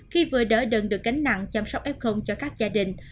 khi vừa đỡ đần được gánh nặng chăm sóc f cho các gia đình